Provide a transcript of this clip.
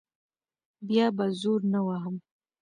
بیا به زور نه وهم.